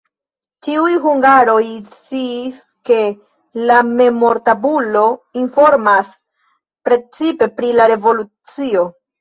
Ĉiuj hungaroj sciis, ke la memortabulo informas precipe pri la revolucio.